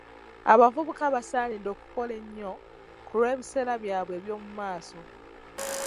Abavubuka basaanidde okukola ennyo ku lw'ebiseera byabwe eby'omu maaaso .